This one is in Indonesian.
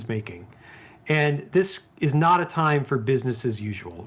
dan ini bukan waktu untuk bisnis seperti biasa